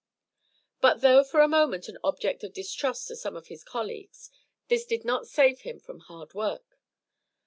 But, though for a moment an object of distrust to some of his colleagues, this did not save him from hard work.